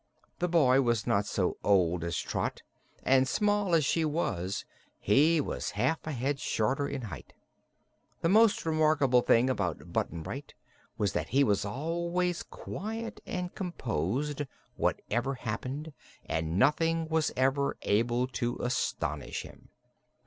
The boy was not so old as Trot, and small as she was he was half a head shorter in height. The most remarkable thing about Button Bright was that he was always quiet and composed, whatever happened, and nothing was ever able to astonish him.